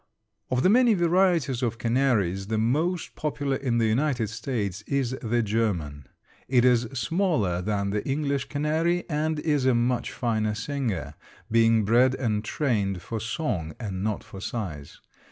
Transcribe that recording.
Of the many varieties of canaries the most popular in the United States is the German. It is smaller than the English canary and is a much finer singer, being bred and trained for song and not for size.